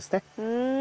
うん。